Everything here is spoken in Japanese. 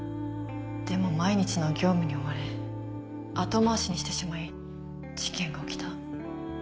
でも毎日の業務に追われ後回しにしてしまい事件が起きた。